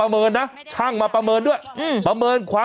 ไม่ไลค์ค่ะอันนี้ไม่ไลค์อัดเวดโอไว้